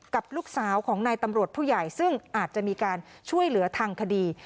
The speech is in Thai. กับลูกสาวของนายตำรวจผู้ใหญ่ซึ่งอาจจะมีการช่วยเหลือทางคดี